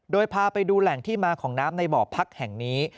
โดยพาไปดูแหล่งที่มาของน้ำในบ่อพักแห่งนี้